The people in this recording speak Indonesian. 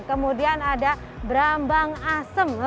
kemudian ada brambang asem